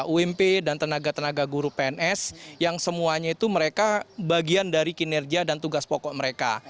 ump dan tenaga tenaga guru pns yang semuanya itu mereka bagian dari kinerja dan tugas pokok mereka